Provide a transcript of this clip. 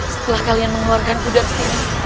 setelah kalian mengeluarkan kudam sendiri